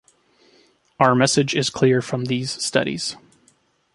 One message is clear from these studies.